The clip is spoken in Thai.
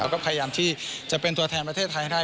ก็พยายามที่จะเป็นตัวแทนประเทศไทยให้ได้